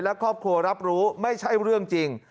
และครอบครัวรับรู้ไม่ใช่เรื่องจริง